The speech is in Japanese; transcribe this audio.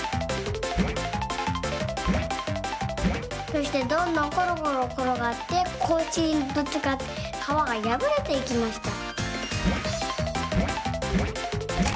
そしてどんどんころころころがってこいしにぶつかってかわがやぶれていきました。